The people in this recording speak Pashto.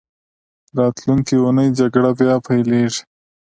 راتلونکې اونۍ جګړه بیا پیلېږي.